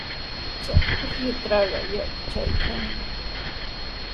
Chay pukyutrawqa yaku chakiykanmi.